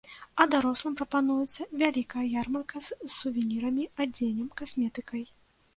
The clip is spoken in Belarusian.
А дарослым прапануецца вялікая ярмарка з сувенірамі, адзеннем, касметыкай.